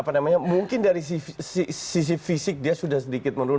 karena ini mungkin dari sisi fisik dia sudah sedikit menurun